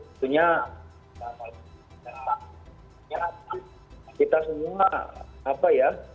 tentunya kita semua apa ya